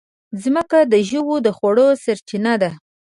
مځکه د ژويو د خوړو سرچینه ده.